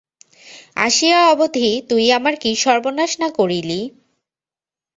আসিয়া অবধি তুই আমার কী সর্বনাশ না করিলি?